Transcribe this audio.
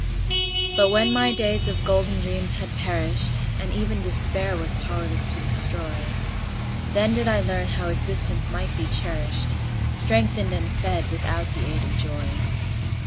But when my days of golden dreams had perished, And even Despair was powerless to destroy, Then did I learn how existence might be cherished, Strengthened and fed without the aid of joy.